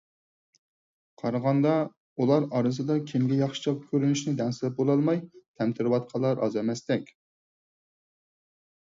قارىغاندا، ئۇلار ئارىسىدا كىمگە ياخشىچاق كۆرۈنۈشنى دەڭسەپ بولالماي تەمتىرەۋاتقانلار ئاز ئەمەستەك.